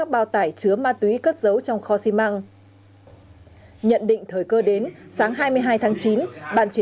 bảo vệ các đối tượng chính